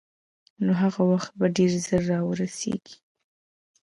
نو هغه وخت به ډېر ژر را ورسېږي.